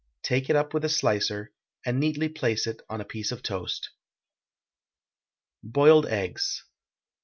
Take it up with a slicer, and neatly place it on a piece of toast. BOILED EGGS.